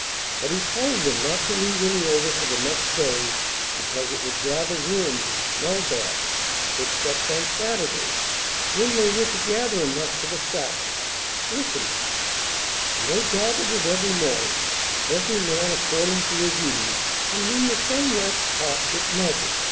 But He told them not to leave any over for the next day because it would gather worms and smell bad, except on Saturday, when they were to gather enough for the Sabbath. Listen: 'And they gathered it every morning, every man according to his eating; and when the sun waxed hot, it melted.